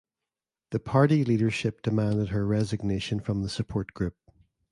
The party leadership demanded her resignation from the support group.